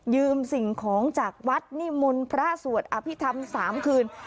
ยืมสิ่งของจากวัดนิมุลพระสวรรค์อภิษฐรรมสามคืน